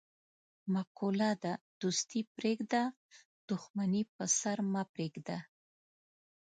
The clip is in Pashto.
مقوله ده: دوستي پرېږده، دښمني په سر مه پرېږده.